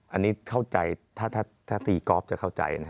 อันนี้เข้าใจถ้าตีกอล์ฟจะเข้าใจนะ